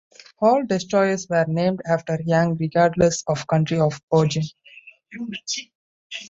All destroyers were named after Yang regardless of country of origin.